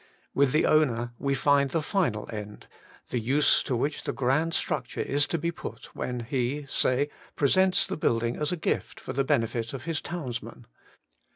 With the owner we find the final end — the use to which the grand structure is to be put when he, say, presents the building as a gift for the benefit of his townsmen.